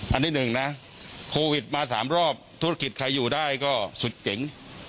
อันนี้หนึ่งนะโควิดมา๓รอบธุรกิจใครอยู่ได้ก็สุดเจ๋ง